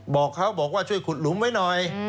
บอกเขาบอกว่าช่วยขุดหลุมไว้หน่อย